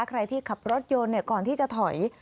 ใครที่ขับรถยนต์ก่อนที่จะถอย